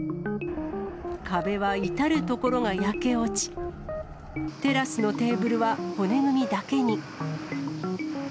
壁は至る所が焼け落ち、テラスのテーブルは骨組みだけに。